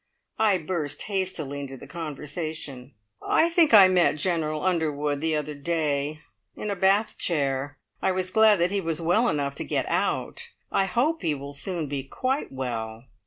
I burst hastily into the conversation. "I think I met General Underwood the other day. In a bath chair. I was glad that he was well enough to get out. I hope he will soon be quite well."